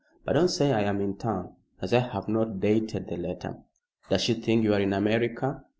But don't say I am in town, as I have not dated the letter." "Does she think you are in America?"